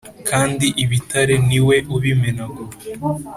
kandi ibitare ni we ubimenagura